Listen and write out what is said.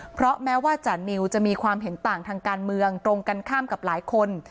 เพราะแม้ว่าจานิวจะมีความเห็นต่างทางการเมืองตรงกันข้ามกับหลายคน